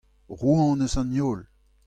Rouanez an heol.